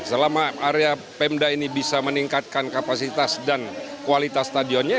selama area pemda ini bisa meningkatkan kapasitas dan kualitas stadionnya